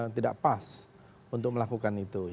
yang tidak pas untuk melakukan itu